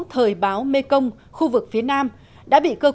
thời báo mê công khu vực phía nam đã bị cơ quan đại diện báo thông tin